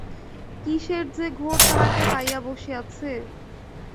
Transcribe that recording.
কিসের যে ঘোর তাহাকে পাইয়া বসিয়াছে।